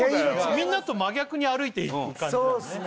みんなと真逆に歩いている感じそうっすね